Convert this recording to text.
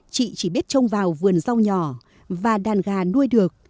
chị chỉ biết trông vào vườn rau nhỏ và đàn gà nuôi được